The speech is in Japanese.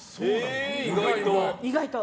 意外と。